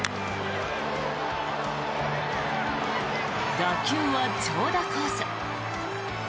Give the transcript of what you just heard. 打球は長打コース。